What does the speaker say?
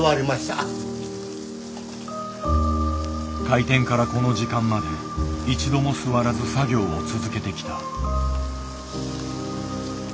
開店からこの時間まで一度も座らず作業を続けてきた。